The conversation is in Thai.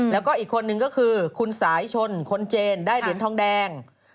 แล้วก็อีกคนนึงก็คือคุณสายชนคนเจนได้เหรียญทองแดง